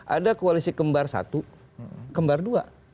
ada koalisi kembar satu kembar dua